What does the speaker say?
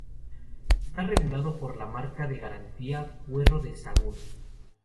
Está regulado por la Marca de Garantía Puerro de Sahagún.